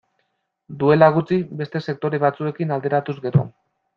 Duela gutxi, beste sektore batzuekin alderatuz gero.